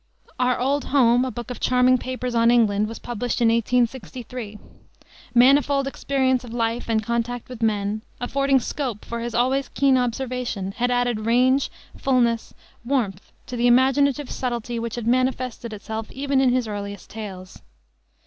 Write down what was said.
Our Old Home, a book of charming papers on England, was published in 1863. Manifold experience of life and contact with men, affording scope for his always keen observation, had added range, fullness, warmth to the imaginative subtlety which had manifested itself even in his earliest tales.